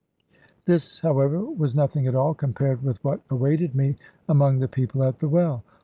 This, however, was nothing at all, compared with what awaited me among the people at the well.